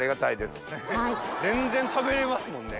全然食べれますもんね。